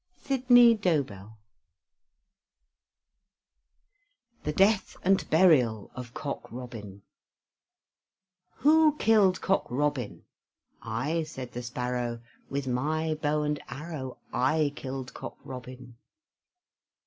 SYDNEY DOBELL THE DEATH AND BURIAL OF COCK ROBIN Who killed Cock Robin? "I," said the Sparrow, "With my bow and arrow, I killed Cock Robin."